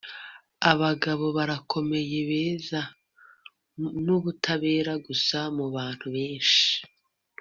Abagabo barakomeye beza nubutabera gusa mubantu benshi